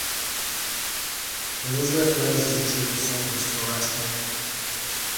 Elizabeth rouses a troop of soldiers to arrest Mary.